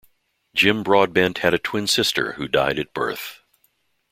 Jim Broadbent had a twin sister who died at birth.